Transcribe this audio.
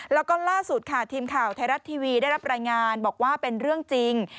แล้วก็ล่าสุดค่ะทีมข่าวไทยรัฐทีวีได้รับรายงานบอกว่าเป็นเรื่องจริง